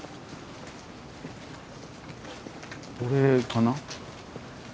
これかな？